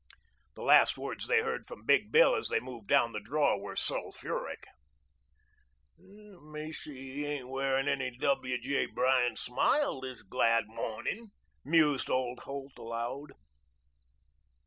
The last words they heard from Big Bill as they moved down the draw were sulphuric. "Macy he ain't wearin' any W. J. Bryan smile this glad mo'nin'," mused old Holt aloud.